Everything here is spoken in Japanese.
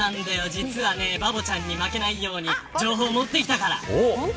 実はバボちゃんに負けないように今日情報持ってきたから。